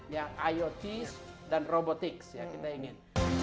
yang iot dan robotics ya kita ingin